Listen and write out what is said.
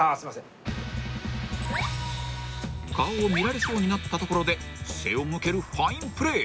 ［顔を見られそうになったところで背を向けるファインプレー］